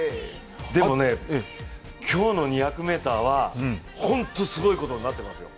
でもね、今日の２００ｍはホントすごいことになってますよ。